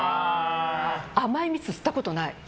甘い蜜、吸ったことない。